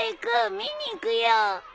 見に行くよ！